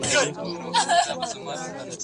زه به اوږده موده کتابونه ليکلي وم؟!